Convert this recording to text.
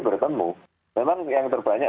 bertemu memang yang terbanyak